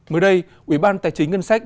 mới đây ubnd